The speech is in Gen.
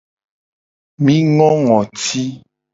Mi ngo ngoti.